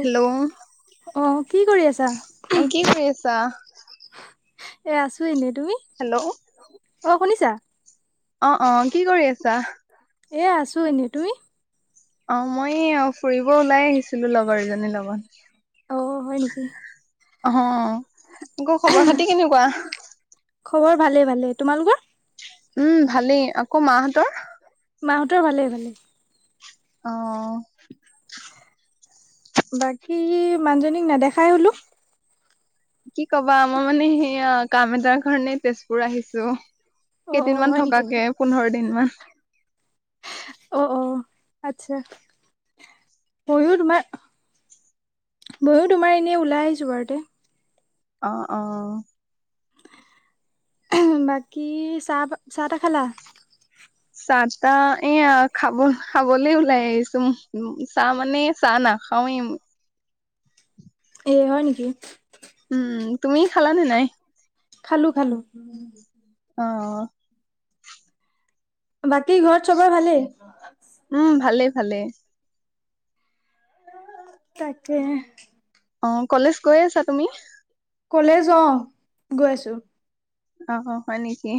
Hello. অ' কি কৰি আছা? অ' কি কৰি আছা? এ আছো এনে তুমি হেল্ল' অ' শুনিছা। অ', অ' কি কৰি আছা? এ আছো এনেই তুমি। অ' মই অ' ফুৰিব ওলাই আহিছিলো লগৰ এজনীৰ লগত। অ' হয় নেকি? আহ আকৌ খবৰ খাতি কেনেকুৱা। খবৰ ভালে ভালে তোমালোকৰ। উম ভালেই আকৌ মাহঁতৰ। মাহঁতৰ ভালেই ভালেই। অ'। [inaudible] বাকী মানুহজনীক নেদেখাই হলো। কি কবা মই মানে সেইয়া কামেজাৰ কাৰনেে তেজপুৰ আহিছো। অ অ কেইদিনমান হয় নেকি থকাকে পোন্ধৰ দিন মান। অ অ আচ্ছা ময়ো তোমাৰ ময়ো তোমাৰ এনেই ওলাই আহিছোঁ বাৰুতে। অ', অ'। বাকী চাহ চাহ তাহ খালা চাহ তাহ এয়া খাব খাবলৈ ওলাই আহিছো চাহ মানে চাহ নাখাওৱেই। এ হয় নেকি। উম তুমি খালা নে নাই। খালো খালো। অ'। বাকী ঘৰত চবৰে ভালেই। উম ভালেই ভালেই। তাকে। অ' কলেজ গৈ আছা তুমি। ক'লে য অওঁ গৈ আছোঁ। আহ হয় নেকি।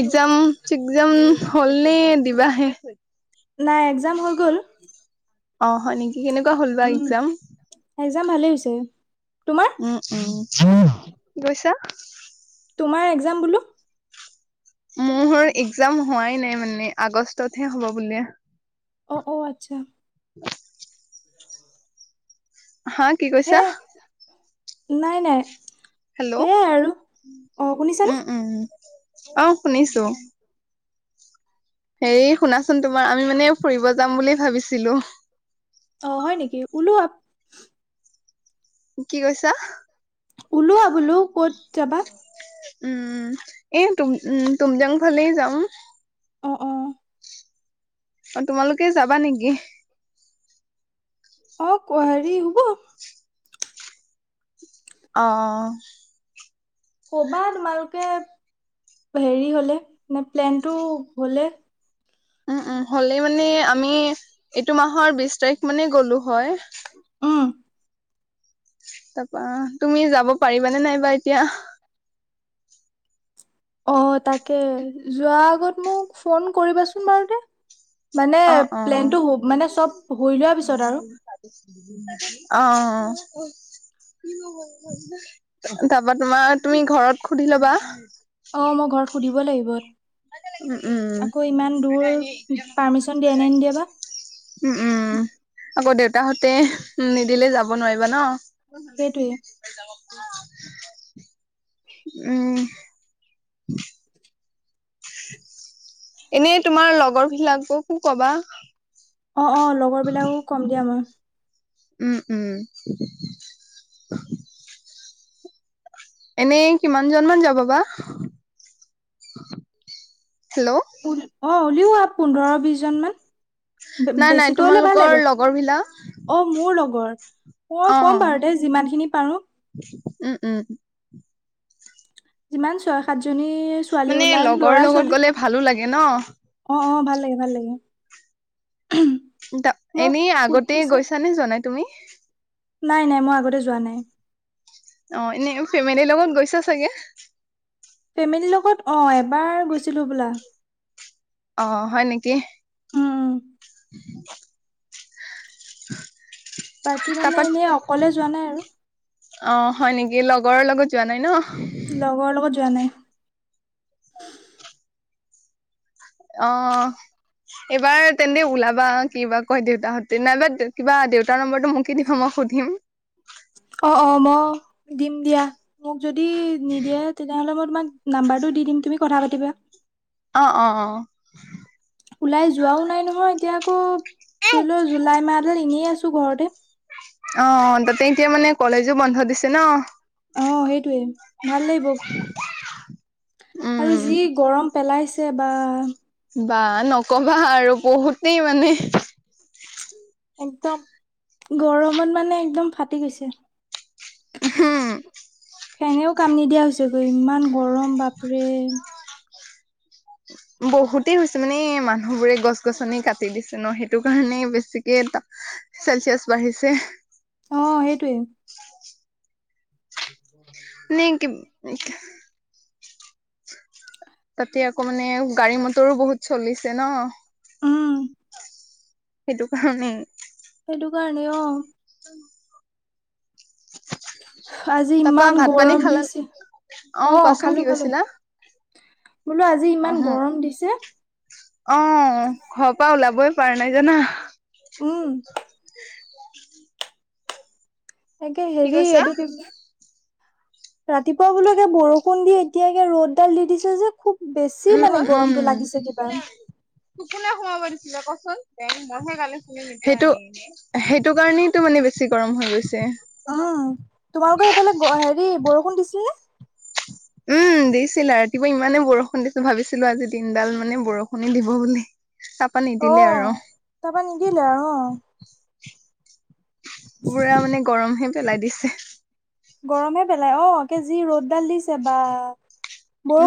এক্জাম চেকজাম হ'ল নে দিবাহে। নাই এক্জাম হৈ গ'ল। অ' হয় নেকি কেনেকুৱা হ'ল বা এক্জাম। যাম ভালেই হৈছে। তোমাৰ? উম উম কি কৈছা। তোমাৰ এক্জাম বোলো। মোৰ এক্জাম হোৱাই নাই মানে আগষ্টতহে হ'ব বুলিয়। অ', অ' আচ্ছা। হা কি হে কৈছা? নাই নাই। হেল্ল' সেয়াই আৰু। অ', শুনিছানে? উম উম আহ শুনিছো। হেৰি শুনাচোন তোমাৰ আমি মানে ফুৰিব যাম বুলি ভাবিছিলো। অ' হয় নেকি ওলো আ কি কৈছা? ওলোৱা বোলো ক'ত যাবা। উম এই তুম উ তুমজাং ফালে যাম। অ', অ'। অ' তোমালোকে যাবা নেকি। অ' ক হেৰি হব। অ'। কবা তোমালোকে। হেৰি হলে মানে প্লেনটো হলে। উম উম হ'লে মানে আমি এইটো মাহৰ বিশ তাৰিখ মানে গ'লো হয় উম, তাৰপা তুমি যাব পাৰিবানে নাইবা এতিয়া অ তাকে যোৱা আগত মোক ফোন কৰিবাচোন বাৰু দে মানে অ অ প্লেনতটো মানে চব হৈ লোৱাৰ পিছত আৰু অ তাৰাপা তোমাৰ তুমি ঘৰত সুধি লবা অ মই ঘৰত সুধিব লাগিব উম উম আকৌ ইমান দূৰ পাৰ্মিশন দিয়া নাই নিদিয়াবা উম উম আকৌ দেউতাহঁতে নিদিলে যাব নোৱাৰিবা ন সেইটোৱেই উম এনেই তোমাৰ লগৰ বিলাকক কো কবা অ অ লগৰ বিলাকো কম দিয়া মাৰ উম উম এনেই কিমান জন মান যাব বা হেল্ল' অ উলিও আ পোন্ধৰ বিশজন মান নাই নাই বেছিকৈ হলে ভাল তোমালোকৰ লিব লগৰ বিলাক অ মোৰ লগৰ মই অ অ ক'ম বাৰু দে যিমান খিনি পাৰো উম উম উম যিমান ছয় সাতজনী ছোৱালী মানে ওলাল লগৰ লৰা লগত ছোৱালী গ'লে ওলাল ভালো লাগে ন অ অ ভাল ভাল লাগে ভাল লাগে মই এনেই আগতে সুধি চাম গৈছানে জনাই তুমি নাই নাই মই আগতে যোৱা নাই অ এনে ফেমিলিৰ লগত গৈছা চাগে ফেমিলীৰ লগত অ এবাৰ গৈছিলোঁ বোলা আহ হয় নেকি হয় বাকী মানে এনেই অকলে যোৱা নাই আৰু অ হয় নেকি লগৰৰ লগত যোৱা নাই ন লগৰ লগত যোৱা নাই অ এইবাৰ তেন্তে ওলাবা কিবা কয় দেউতাহঁতে নাইবা কিবা দেউতাৰ নম্বৰ মকি দিব মই সুধিম অ অ ম দিম দিয়া মোক যদি নিদিয়ে তেনেহ'লে মই তোমাক নাম্বাৰটো দি দিম তুমি কথা পাতিবা অ অ অ ওলাই যোৱাও নাই নহয় এতিয়া আকৌ ধৰি লও জুলাই মাহত এনেই আছো ঘৰতে অ তাতে এতিয়া মানে কলেজো বন্ধ দিছে ন অ সেইটোৱে ভাল লাগিব আৰু যি উম গৰম পেলাইছে বা বা নকবা আৰু বহুতেই মানে একদম গৰমত মানে একদম ফাটি গৈছে হা ফেনেও কাম নিদিয়া হৈছেগৈ ইমান গৰম বাপৰে বহুতেই হৈছে মানে মানুহ বোৰে গছ গছনি কাটি দিছে ন সেইটো কাৰণে বেছিকে ত চেলচিয়াছ বাঢ়িছে অ সেইটোৱে [inaudible] নে কি তাতে আকৌ মানে গাড়ী মটৰো বহুত চলিছে ন। উম সেইটো কাৰণেই। সেইটো কাৰণেই অ'। আজি তাপা ইমান ভাত পানী গৰম খালা দিছে অ' কোৱাচোন কি খালো খালো। কৈছিলা বোলো আজি অ ইমান গৰম দিছে। অ' ঘৰৰ পৰা ওলাবই পাৰা নাই জানা। উম। একে কি হেৰি কৈছা এইটো কি? ৰাতিপুৱা বোলকে বৰষুণ দি এতিয়াকে ৰ'দডাল দি দিছে যে খুব বেছি কি মানে গৰমটো লাগিছে কিবা। কোনে সোমাব দিছিলে কচোন দে মইহে গালি শুনি সিটো। সেইটো কাৰণেইটো মানে বেছি গৰম হৈ গৈছে। উম তোমালোকৰ সেইফালে হেৰি বৰষুণ দিছিল নে উম। দিছিল আৰু ৰাতিপুৱা ইমানে বৰষুণ দিছো ভাবিছিলো আজি দিনডাল মানে বৰষুণ দিব বুলি। তাপা অ' নিদিলে আৰু তাৰাপা নিদিলে আৰু অ'। পুৰা মানে গৰমহে পেলাই দিছে। গৰমহে পেলাই অকে যি ৰ'দডাল দিছে বা।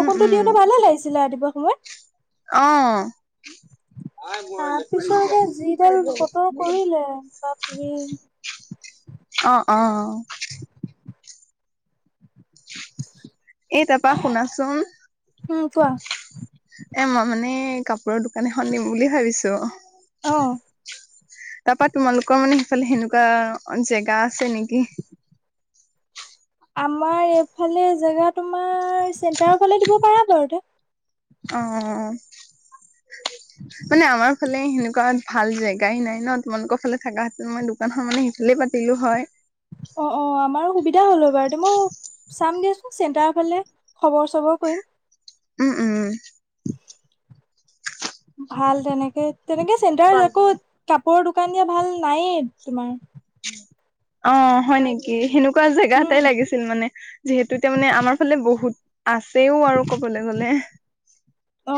উম উম দিওঁতে ভালে লাগিছিলে ৰাতিপুৱা সময়ত। অ'। তাৰ পিছলৈকে যিডাল বতৰ কৰিলে। বাপৰে অ', অ'। [inaudible] এই তাৰপা শুনাচোন উম কোৱা এ মই মানে এই কাপোৰৰ দোকান এখন দিম বুলি ভাবিছোঁ। অ'। তাৰপা তোমালোকৰ মানে সেইফালে সেনেকুৱা জেগা আছে নেকি আমাৰ এইফালে জেগা তোমাৰ চেণ্টাৰৰ ফালে দিব পাৰা বাৰু দে। অ'। মানে আমাৰ ফালে সেনেকুৱা। ভাল জেগাই নাই ন তোমালোকৰ ফালে থাক হাতত মই দোকানখন মানে সিফালে পাতিলো হয়। অ', অ' আমাৰো সুবিধা হ'ল হয় বাৰু তেমো চামগেচোন চেণ্টাৰ ফালে খবৰ চবৰ কৰিম। উম উম। ভাল তেনেকে তেনেকে চেণ্টাৰত আকৌ কাপোৰ দুকান দিয়া ভাল নায়ে তোমাৰ। অ' হয় নেকি সেনেকু এনেকুৱা জেগা এটাই উম লাগিছিল মানে যিহেতু এতিয়া মানে আমাৰ ফালে বহুত। আছেও আৰু কবলৈ গলে। অ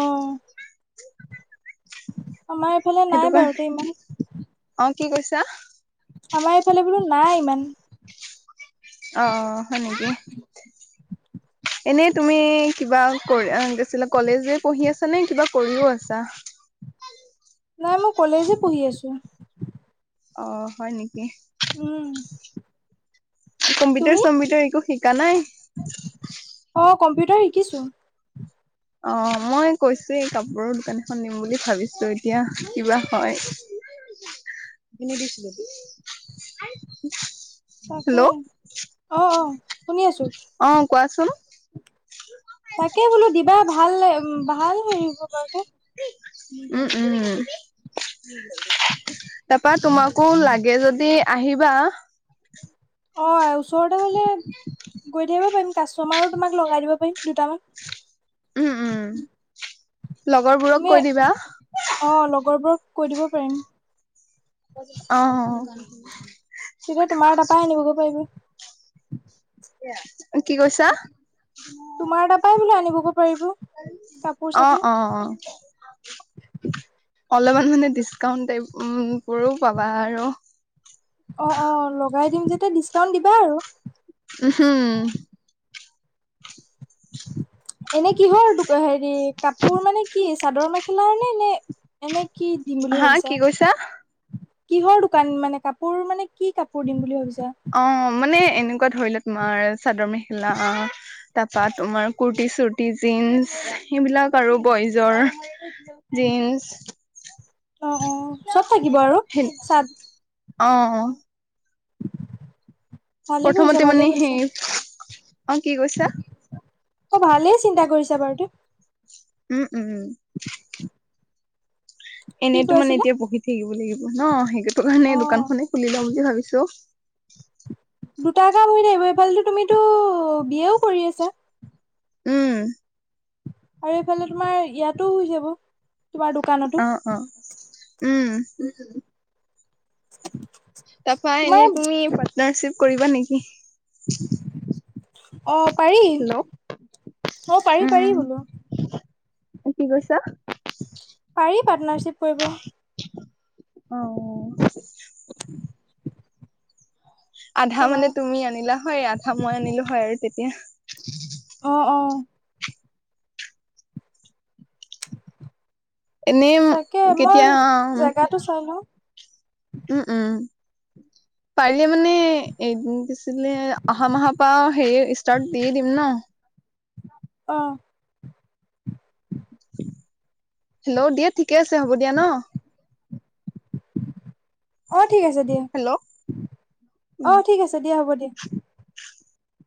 আমাৰ এইফালে সেইটো নাই বাৰু কাৰণে তে ইমান অ', কি কৈছা? আমাৰ এইফালে বোলো নাই ইমান। অ হয় নেকি? এনেই তুমি কিবা কৰি গৈছিলা? কলেজে পঢ়ি আছা নে কিবা কৰিও আছা? নাই মই কলেজে পঢ়ি আছোঁ। অ' হয় নি? উম। তুমি কম্পিউটাৰ-চম্পিউটাৰ একো শিকা নাই? অ কম্পিউটাৰ শিকিছোঁ। অ মই কৈছোঁ এই কাপোৰৰ দোকান এখন দিম বুলি ভাবিছোঁ। এতিয়া কিবা হয়? খিনি দিছিলোঁ। তাকে হেল্ল' অ কোৱাচোন। তাকে বোলো দিবা ভাল ভাল হেৰি হ বতাৰ তেওঁ। উম, উম, উম। তাৰপা তোমাকো লাগে যদি আহিবা। অ ওচৰতে হ'লে গৈ থাকিব পাৰিম কাষ্টমাৰো তোমাক লগাই দিব পাৰিম দুটামান। উম, উম লগৰবোৰক তুমি কৈ দিবা। অ লগৰবোৰক কৈ দিব পাৰিম। অ তেতিয়া তোমাৰ তাৰপাই আনিবগৈ পাৰিব। কি কৈছা? তোমাৰ তাৰপৰাই বোলে আনিবগৈ পাৰিব কাপোৰ অ' চাপোৰ অ' অ'। অলপমান মানে ডিচ্কাউন্ট ট বোৰো পাবা আৰু। অ' অ' লগাই দিম যেতিয়া ডিচকাউণ্ট দিবা আৰু। উম [inaudible] এনে কিহৰ হেৰি কাপোৰ মানে কি চাদৰ-মেখেলাৰ নে নে এনে কি দিম বুলি হা ভাবিছা? কি কৈছা কিহৰ দোকান মানে কাপোৰ মানে কি কাপোৰ দিম বুলি ভাবিছা? অ' মানে এনেকুৱা ধৰিলে তোমাৰ চাদৰ-মেখেলা। তাৰপা তোমাৰ কুৰ্তি-চুৰ্তি, জিন্চ এইবিলাক আৰু বইজৰ জিন্ছ অ' অ' চব থাকিব আৰু চাত অ' অ'। ভালে কৰিছা প্ৰথমতে মানে ভালেই সেই কৰিছা। অ কি কৈছা অ ভালেই চিন্তা কৰিছা বাৰু ত। উম, উম। কি এনেইতো কৈ মানে আছিলা এতিয়া বহি থাকিব লাগিব ন সেইটো কাৰণে অ দোকান খনে খুলি লম বুলি ভাবিছোঁ সো দুটা কাম হৈ থাকিব এইফালেতো তুমিতো বি এ কৰি আছা? উম। আৰু এইফালে তোমাৰ ইয়াতো হৈ যাব তোমাৰ দোকানতো। অ অ উম উম। তাৰপা এনেই তুমি পাৰ্টনাৰশ্বিপ কৰিবা নেকি? অ পাৰি, লগ অ পাৰি পাৰি উম বোলো। কি কৈছা? পাৰি পাৰ্টনাৰশ্বিপ কৰিব। অ'। [inaudible] আধা মানে তোমাৰ তুমি আনিলা হয়, আধা মই আনিলো হয় আৰু তেতিয়া। অ' অ'। এনেই তাকে মই কেতিয়া? জেগাটো চাই লওঁ উম উম [inaudible] পাৰিলে মানে এদিন পিছলে অহা মাহৰ পৰা হেৰি ষ্টাৰ্ট দিয়ে দিম ন? অ'। হেল্ল' দিয়ে ঠিকে আছে হ'ব দিয়া ন। অ' ঠিক আছে দিয়া। হেল্ল' উম অ' ঠিক আছে দিয়া হ'ব দিয়া।